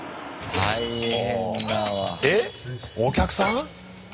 えっお客さん？